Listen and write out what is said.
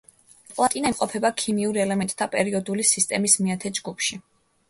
პლატინა იმყოფება ქიმიურ ელემენტთა პერიოდული სისტემის მეათე ჯგუფში.